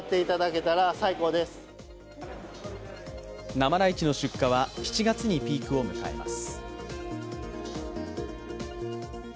生ライチの出荷は７月にピークを迎えます。